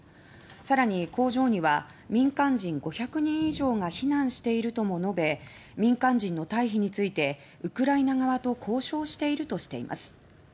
さらに、工場には民間人５００人以上が避難しているとも述べ民間人の退避についてウクライナ側と交渉しているとしています。